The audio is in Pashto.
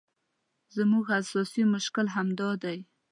زموږ اساسي مشکل همدا دی.